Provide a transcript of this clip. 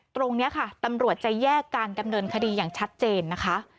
ตรงนี้ค่ะตำรวจจะแยกการดำเนินคดีอย่างชัดเจนนะคะ